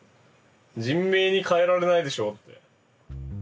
人命に代えられないでしょうって。